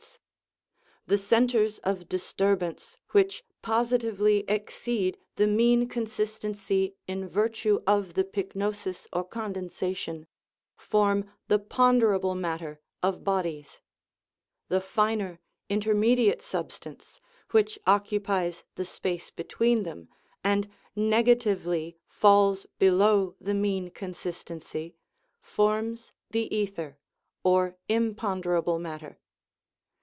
218 THE LAW OF SUBSTANCE The centres of disturbance, which positively exceed the mean consistency in virtue of the pyknosis or conden sation, form the ponderable matter of bodies ; the finer, intermediate substance, which occupies the space be tween them, and negatively falls below the mean con sistency, forms the ether, or imponderable matter.